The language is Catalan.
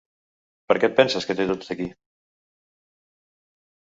Per què et penses que t'he dut aquí?